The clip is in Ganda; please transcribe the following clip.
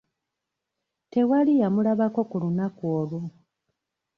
Tewali yamulabako ku lunaku olwo.